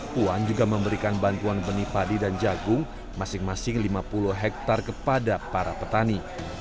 puan juga memberikan bantuan benih padi dan jagung masing masing lima puluh hektare kepada para petani